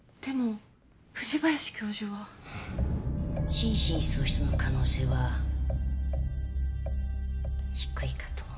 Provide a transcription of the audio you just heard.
心神喪失の可能性は低いかと。